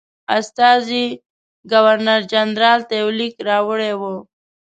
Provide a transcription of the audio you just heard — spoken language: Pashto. استازي ګورنرجنرال ته یو لیک راوړی وو.